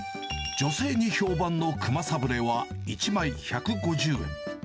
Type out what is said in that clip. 女性に評判の熊サブレは１枚１５０円。